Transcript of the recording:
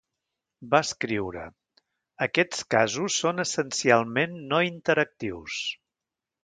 Va escriure: "Aquests casos són essencialment no interactius".